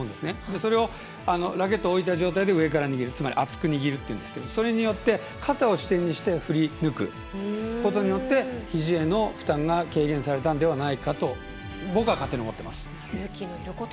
それをラケットを置いた状態で上から握るつまり、厚く握るというんですがそれによって、肩を支点にして振りぬくことによってひじへの負担が軽減されたんではないかと僕は勝手に思ってます。